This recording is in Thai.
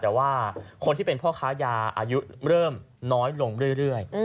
แต่ว่าคนที่เป็นพ่อค้ายาอายุเริ่มน้อยลงเรื่อย